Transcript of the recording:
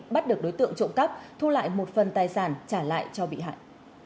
bắt được đối tượng trộm cắp thu lại một phần tài sản trả lại cho bị hại